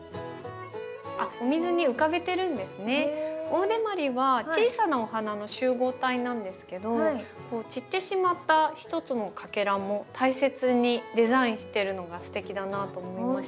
オオデマリは小さなお花の集合体なんですけど散ってしまった一つのかけらも大切にデザインしてるのがすてきだなと思いました。